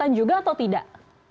dan juga atau tidak